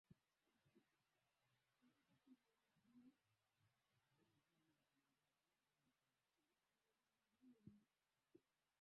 ni muhimu sana Mfumo umejiunga na Mto